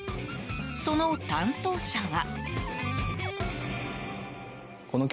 その担当者は。